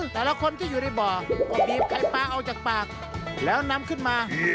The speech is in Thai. แต่ละคนที่อยู่ในบ่อก็บีบไข่ปลาออกจากปากแล้วนำขึ้นมา